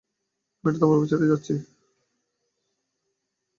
আমি এটা তোমার উপর ছেড়ে যাচ্ছি।